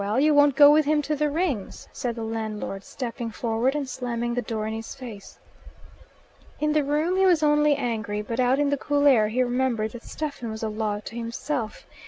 You won't go with him to the Rings," said the landlord, stepping forward and slamming the door in his face. In the room he was only angry, but out in the cool air he remembered that Stephen was a law to himself.